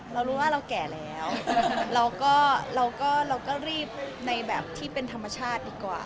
เรารู้ว่าเราแก่แล้วเราก็รีบในที่เป็นท่ามาชาติดีกว่า